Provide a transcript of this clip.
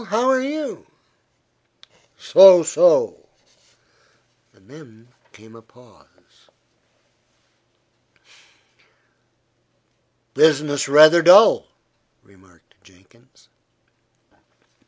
How are you?" "So, so." Then came a pause. "Business rather dull," remarked Jenkins.